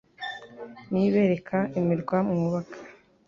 Ni yo ibereka imirwa mwubaka